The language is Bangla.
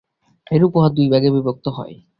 এইরূপে উহা দুই ভাগে বিভক্ত হয়।